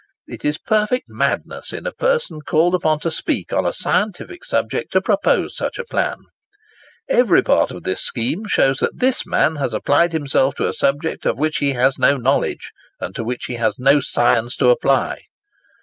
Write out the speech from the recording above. It is perfect madness, in a person called upon to speak on a scientific subject, to propose such a plan. Every part of this scheme shows that this man has applied himself to a subject of which he has no knowledge, and to which he has no science to apply."